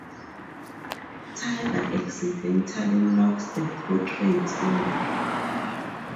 Tigger accidentally knocks the portraits over.